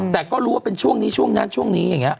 แต่ก็รู้ว่าเป็นช่วงนี้ช่วงนั้นช่วงนี้อย่างนี้